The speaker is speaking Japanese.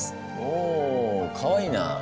おかわいいな。